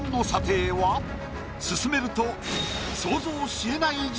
進めると。